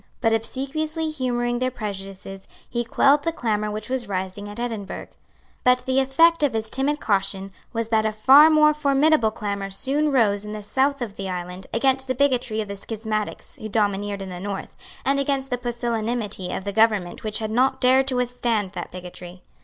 By obsequiously humouring their prejudices he quelled the clamour which was rising at Edinburgh; but the effect of his timid caution was that a far more formidable clamour soon rose in the south of the island against the bigotry of the schismatics who domineered in the north, and against the pusillanimity of the government which had not dared to withstand that bigotry.